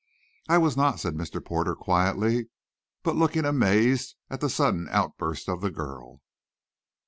"I was not," said Mr. Porter quietly, but looking amazed at the sudden outburst of the girl.